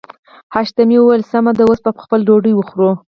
حشمتي وويل سمه ده اوس به خپله ډوډۍ وخورو.